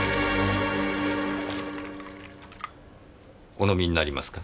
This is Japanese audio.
お飲みになりますか？